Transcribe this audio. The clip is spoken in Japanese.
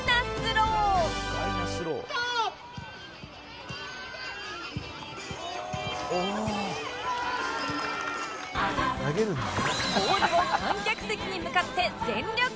ボールを観客席に向かって全力投球！